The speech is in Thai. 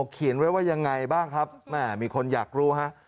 เขียนไว้ว่ายังไงบ้างครับแม่มีคนอยากรู้ฮะ